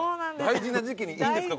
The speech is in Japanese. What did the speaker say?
大事な時期にいいんですか？